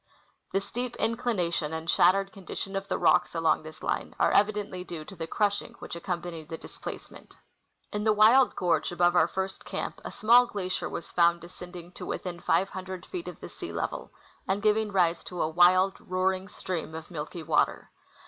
The steep inclination and shattered condition of the rocks along this line are evidenth" due to the crushing which accompanied the displacement. In the wild gorge above our first camp, a small glacier was found descending to within 500 feet of the sea level, and giving rise to a Avild, roaring stream of milky water.